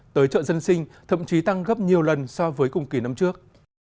tới chợ dân sinh thậm chí tăng gấp nhiều lần so với cùng kỳ năm trước